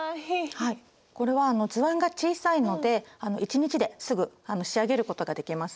これは図案が小さいので１日ですぐ仕上げることができます。